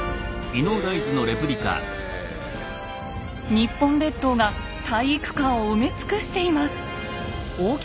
日本列島が体育館を埋め尽くしています。